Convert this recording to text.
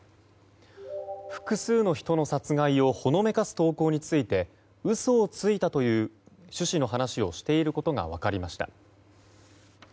複数の人の殺害をほのめかす投稿について嘘をついたという趣旨の話をしていることが分かりました。